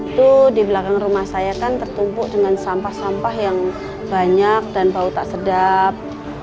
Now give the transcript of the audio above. itu di belakang rumah saya kan tertumpuk dengan sampah sampah yang banyak dan bau tak sedap